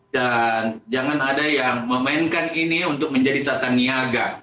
dan jangan ada yang memainkan ini untuk menjadi tata niaga